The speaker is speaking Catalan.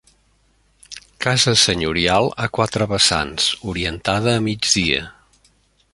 Casa senyorial a quatre vessants, orientada a migdia.